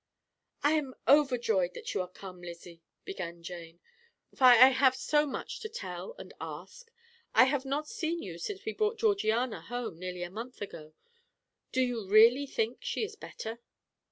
"I am overjoyed that you are come, Lizzie," began Jane, "for I have so much to tell and ask. I have not seen you since we brought Georgiana home, nearly a month ago. You really think she is better?"